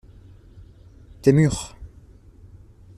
tes murs.